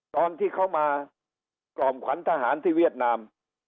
ตอนที่เขามากล่อมขวัญทหารที่เวียดนาม